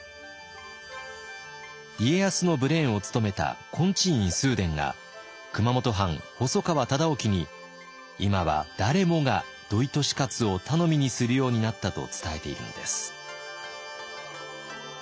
家康のブレーンを務めた金地院崇伝が熊本藩細川忠興に「今は誰もが土井利勝を頼みにするようになった」と伝えているのです。